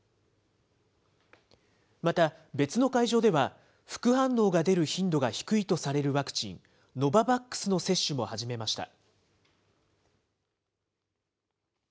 また別の会場では、副反応が出る頻度が低いとされるワクチン、ノババックスの接種も始めました。